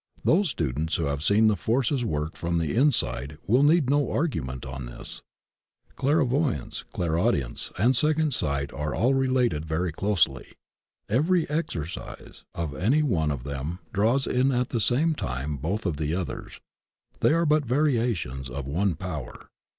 Those students who have seen the forces work from the inside wiU need no argument on this. Qairvoyance, clairaudience and second sight are all related very closely. Every exercise of any one of them draws in at the same time both of the o^ers. They are but variations of one power.